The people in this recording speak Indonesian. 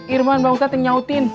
irman bangsa teng nyautin